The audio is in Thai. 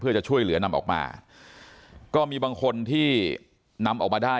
เพื่อจะช่วยเหลือนำออกมาก็มีบางคนที่นำออกมาได้